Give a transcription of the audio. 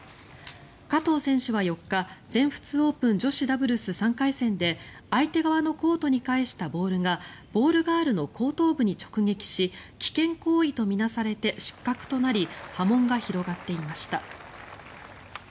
加藤選手は４日、全仏オープン女子ダブルス３回戦で相手側のコートに返したボールがボールガールの後頭部に直撃し危険行為と見なされて失格となり波紋が広がっていました。